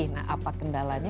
nah apa kendalanya